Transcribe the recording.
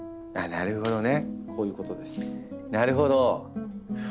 なるほどね。